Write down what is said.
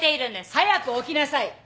早く起きなさい！